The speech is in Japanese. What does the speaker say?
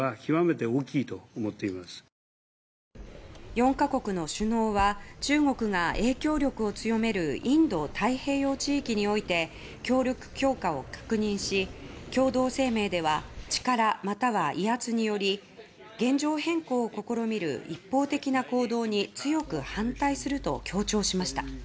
４か国の首脳は中国が影響力を強めるインド太平洋地域において協力強化を確認し共同声明では力または威圧により現状変更を試みる一方的な行動に強く反対すると強調しました。